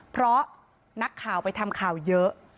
เพราะนักข่าวไปทำข่าวเยอะ